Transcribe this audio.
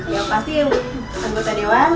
yang pasti anggota dewan